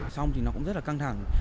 xong thì nó cũng rất là căng thẳng